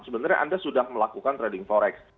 sebenarnya anda sudah melakukan trading forex